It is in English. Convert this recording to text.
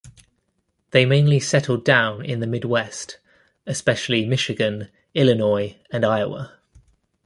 They mainly settled down in the Midwest, especially Michigan, Illinois and Iowa.